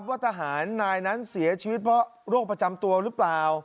ว่าทหารนายนั้นเสียชีวิตเพราะโรคประจำตัวหรือเปล่า